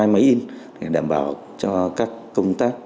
hai máy in để đảm bảo cho các công tác